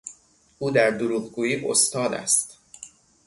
او در دروغگویی استاد است.